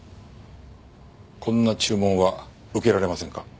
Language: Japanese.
こんな注文は受けられませんか？